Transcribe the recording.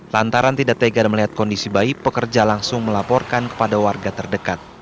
lantaran tidak tegar melihat kondisi bayi pekerja langsung melaporkan kepada warga terdekat